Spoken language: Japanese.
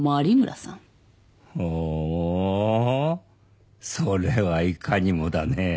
ほうそれはいかにもだねぇ。